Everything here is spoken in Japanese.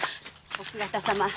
奥方様。